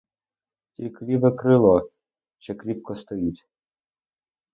Тільки ліве крило ще кріпко стоїть.